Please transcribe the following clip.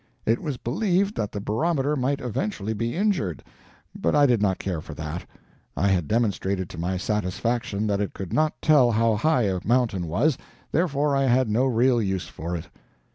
It was believed that the barometer might eventually be injured, but I did not care for that. I had demonstrated to my satisfaction that it could not tell how high a mountain was, therefore I had no real use for it.